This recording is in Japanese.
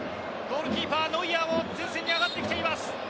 ゴールキーパーノイアーも前線に上がってきています。